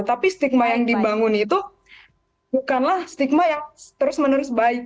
tapi stigma yang dibangun itu bukanlah stigma yang terus menerus baik